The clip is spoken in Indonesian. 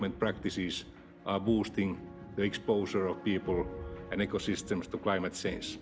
memperkuat kebukaan orang dan ekosistem terhadap perubahan klimat